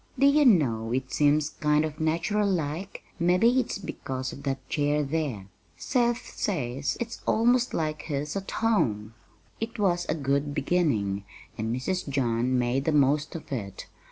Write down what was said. "Do you know, it seems kind of natural like; mebbe it's because of that chair there. Seth says it's almost like his at home." It was a good beginning, and Mrs. John made the most of it.